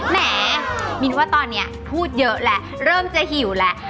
แหมมินว่าตอนนี้พูดเยอะแล้วเริ่มจะหิวแล้ว